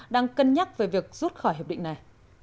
đang cân nhắc về việc rút khỏi hiệp định này